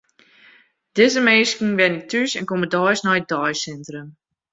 Dizze minsken wenje thús en komme deis nei it deisintrum.